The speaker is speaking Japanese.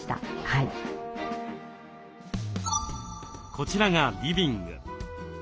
こちらがリビング。